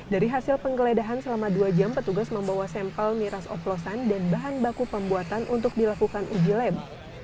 dari hasil penggeledahan selama dua jam petugas membawa sampel miras oplosan dan bahan baku pembuatan untuk dilakukan uji lab